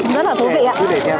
rất là thú vị ạ